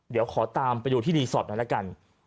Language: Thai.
เดี๋ยวขอตามไปดูที่รีสอร์ทหน่อยละกัน